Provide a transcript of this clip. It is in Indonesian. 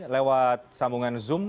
lewat sambungan zoom